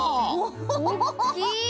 おっきい！